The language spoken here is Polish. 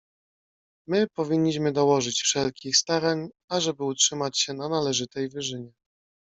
"My powinniśmy dołożyć wszelkich starań, ażeby utrzymać się na należytej wyżynie."